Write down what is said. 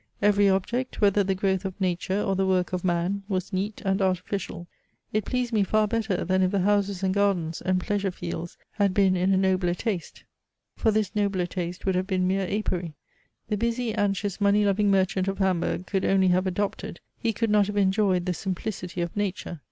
Every object, whether the growth of nature or the work of man, was neat and artificial. It pleased me far better, than if the houses and gardens, and pleasure fields, had been in a nobler taste: for this nobler taste would have been mere apery. The busy, anxious, money loving merchant of Hamburg could only have adopted, he could not have enjoyed the simplicity of nature.